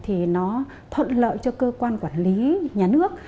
thì nó thuận lợi cho cơ quan quản lý nhà nước